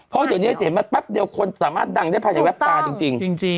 เพราะเดี๋ยวนี้เห็นไหมแป๊บเดียวคนสามารถดังได้ภายในแวบตาจริง